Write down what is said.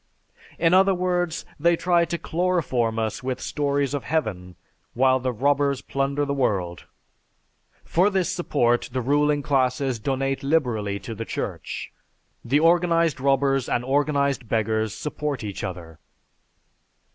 In other words, they try to chloroform us with stories of heaven while the robbers plunder the world. For this support the ruling classes donate liberally to the Church. The organized robbers and organized beggars support each other."